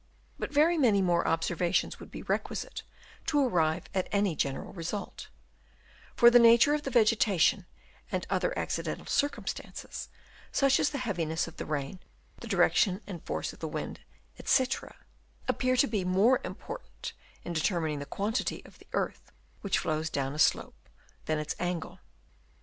But very many more observations would be requisite to arrive at any general result ; for the nature of the vegetation and other accidental circumstances, such as the heaviness of the rain, the direction and force of the wind, &c, appear to be more important in determining the quantity of the earth which flows down a slope than its angle.